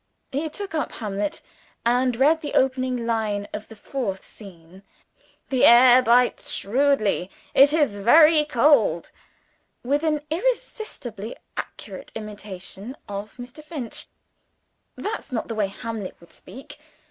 He took up Hamlet and read the opening line of the Fourth Scene, ("The air bites shrewdly. It is very cold") with an irresistibly accurate imitation of Mr. Finch. "That's nor the way Hamlet would speak.